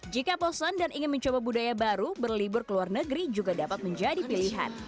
jika bosan dan ingin mencoba budaya baru berlibur ke luar negeri juga dapat menjadi pilihan